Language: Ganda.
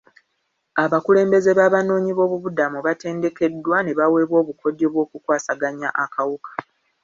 Abakulembeze b'abanoonyi b'obubudamu batendekeddwa ne baweebwa obukodyo bw'okukwasaganya akawuka.